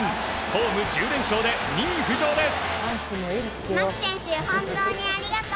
ホーム１０連勝で２位浮上です。